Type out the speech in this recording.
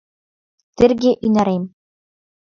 Терге ӱнарем!